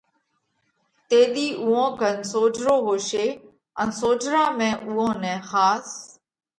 تيۮِي اُوئون ڪنَ سوجھرو هوشي ان سوجھرا ۾ اُوئون نئہ ۿاس